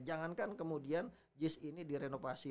jangankan kemudian jis ini di renovasi